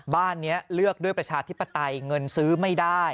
บ้านนี้เลือกด้วยประชาธิปไตยเงินซื้อไม่ได้